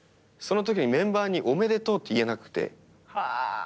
そのときにメンバーにおめでとうって言えなくて。